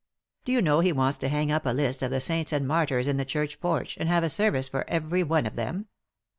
Do you know he wants to hang up a list of the saints and martyrs in the church porch, and have a service for every one of them.